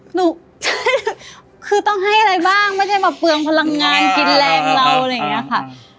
หนูใช่คือต้องให้อะไรบ้างไม่ได้มาเปลืองพลังงานกินแรงเราอะไรอย่างนี้ค่ะ